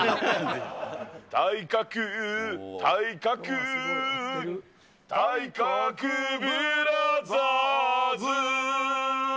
体格、体格、体格ブラザーズ。